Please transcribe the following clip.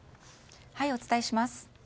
お伝えします。